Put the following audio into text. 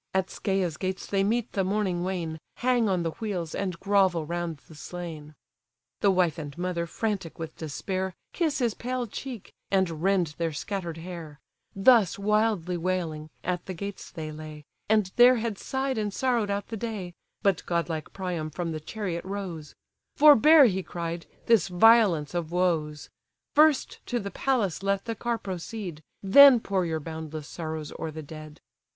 At Scæa's gates they meet the mourning wain, Hang on the wheels, and grovel round the slain. The wife and mother, frantic with despair, Kiss his pale cheek, and rend their scatter'd hair: Thus wildly wailing, at the gates they lay; And there had sigh'd and sorrow'd out the day; But godlike Priam from the chariot rose: "Forbear (he cried) this violence of woes; First to the palace let the car proceed, Then pour your boundless sorrows o'er the dead."